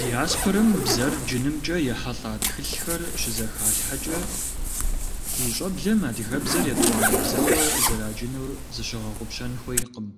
Диаспорэм бзэр джынымкӀэ ехьэлӀа тхылъхэр щызэхалъхьэкӀэ, ди щӀэблэм адыгэбзэр етӀуанэ бзэуэ зэраджынур зыщыгъэгъупщэн хуейкъым.